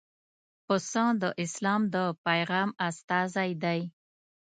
پسه د اسلام د پیغام استازی دی.